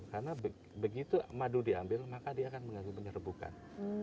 karena begitu madu diambil maka dia akan mengganggu penyerbukan